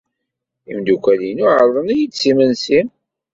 Imeddukal-inu ɛerḍen-iyi-d s imensi.